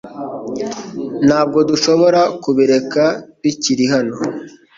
Ntabwo dushobora kubireka bikiri hano .